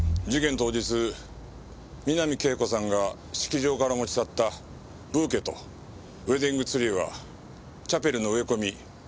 当日三波圭子さんが式場から持ち去ったブーケとウェディングツリーはチャペルの植え込み